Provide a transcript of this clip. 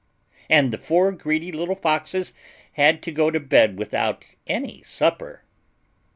And the four greedy little foxes had to go to bed without any supper.